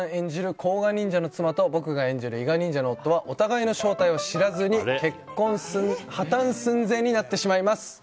甲賀忍者の妻と、僕演じる伊賀忍者の夫はお互いの正体を知らずに結婚、破綻寸前になってしまいます。